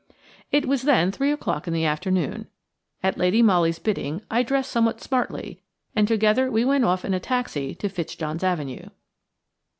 It was then three o'clock in the afternoon. At Lady Molly's bidding, I dressed somewhat smartly, and together we went off in a taxi to Fitzjohn's Avenue.